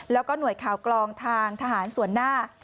แล้วก็หน่วยข่าวกลองทางทหารส่วนหน้า